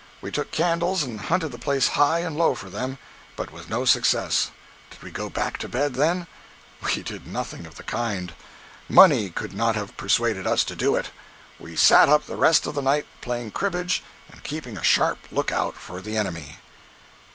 We took candles and hunted the place high and low for them, but with no success. Did we go back to bed then? We did nothing of the kind. Money could not have persuaded us to do it. We sat up the rest of the night playing cribbage and keeping a sharp lookout for the enemy.